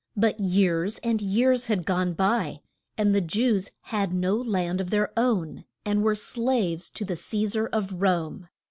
But years and years had gone by, and the Jews had no land of their own, and were as slaves to the Ce sar of Rome.